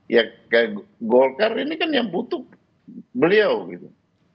ya kayak golkar ini kan yang butuh beliau gitu